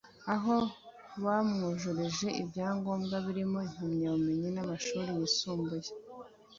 aho bamwujurije ibyagomba birimo n’impamyabumenyi y’amashuri yisumbuye